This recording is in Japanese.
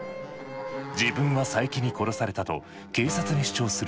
自分は佐伯に殺されたと警察に主張する徹生。